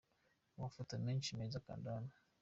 Amafoto menshi meza kanda hano :.